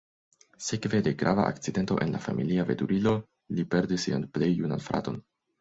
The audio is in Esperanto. Sekve de grava akcidento en la familia veturilo, li perdis sian plej junan fraton.